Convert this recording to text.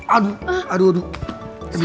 aduh aduh aduh